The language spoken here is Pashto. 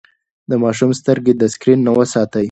د ماشوم سترګې د سکرين نه وساتئ.